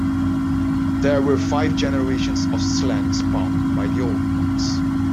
There were five generations of Slann spawned by the Old Ones.